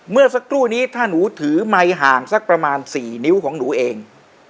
เมื่อสักครู่นี้ถ้าหนูถือไมค์ห่างสักประมาณ๔นิ้วของหนูเอง